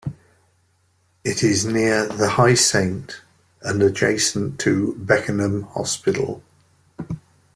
It is near the High Saint and adjacent to Beckenham Hospital.